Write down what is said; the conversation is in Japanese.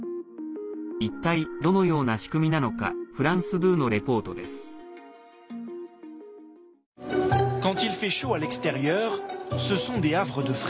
一体、どのような仕組みなのかフランス２のレポートです。